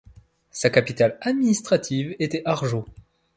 Sa capitale administrative était Arjo.